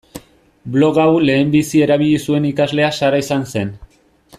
Blog hau lehenbizi erabili zuen ikaslea Sara izan zen.